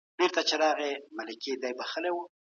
دا لاره تر هغې اغېزمنه ده.